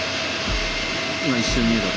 今一瞬見えたと。